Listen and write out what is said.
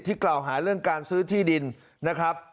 กล่าวหาเรื่องการซื้อที่ดินนะครับ